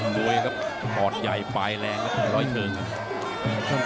ด้วยครับปอดใหญ่ปลายแรงครับพลอยเซอร์ครับ